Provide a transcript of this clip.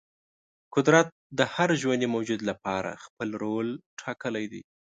قدرت د هر ژوندې موجود لپاره خپل رول ټاکلی دی.